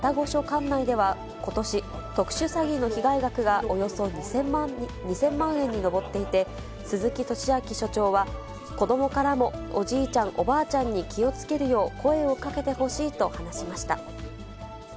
管内ではことし、特殊詐欺の被害額がおよそ２０００万円に上っていて、鈴木俊明署長は、子どもからもおじいちゃん、おばあちゃんに気をつけるよう声をかけてほしいと話しました。